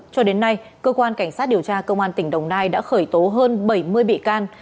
cho đến nay cơ quan cảnh sát điều tra công an tỉnh đồng nai đã khởi tố hơn bảy mươi bị can